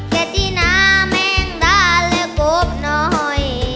แค่ทีน้าแม่งดาแล้วกบหน่อย